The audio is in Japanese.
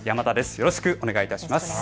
よろしくお願いします。